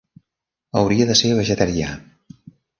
Hauria de ser vegetarià.